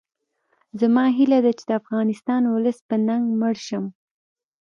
زما هیله ده چې د افغان ولس په ننګ مړ شم